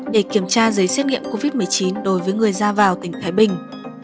để kiểm tra giấy xét nghiệm covid một mươi chín đối với người ra vào tỉnh thái bình